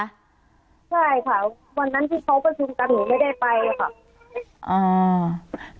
ใช่ค่ะวันนั้นที่เขาประชุมกันหนูไม่ได้ไปค่ะอ่า